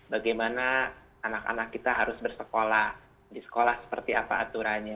bagaimana anak anak kita harus bersekolah di sekolah seperti apa aturannya